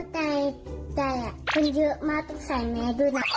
ใจใจอ่ะคนเยอะมากต้องใส่แมสด้วยนะ